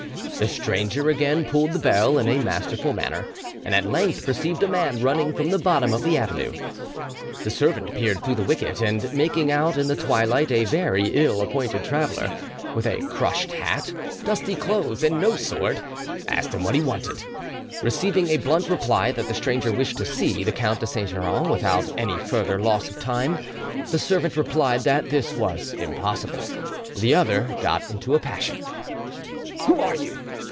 The stranger again pulled the bell in a masterful manner, and at length perceived a man running from the bottom of the avenue. The servant peered through the wicket, and making out in the twilight a very ill appointed traveller, with a crushed hat, dusty clothes, and no sword, asked him what he wanted, receiving a blunt reply that the stranger wished to see the Count de Saint Geran without any further loss of time. The servant replied that this was impossible; the other got into a passion. "Who are you?"